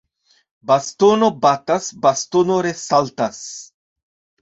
Bastono batas, bastono resaltas.